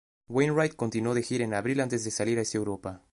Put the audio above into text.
Wainwright continuó de gira en abril antes de salir hacia Europa.